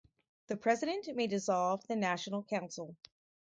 The president may dissolve the National Council.